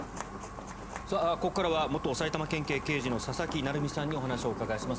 ここからは元埼玉県警刑事の佐々木成三さんにお話をお伺いします。